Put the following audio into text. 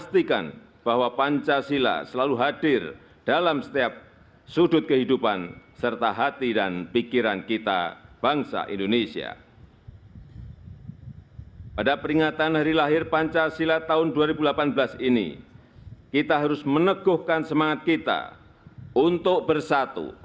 tanda kebesaran buka hormat senjata